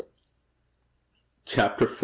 CHAPTER IV.